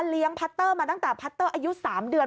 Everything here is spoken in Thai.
เลี้ยงพัตเตอร์มาตั้งแต่พัตเตอร์อายุสามเดือน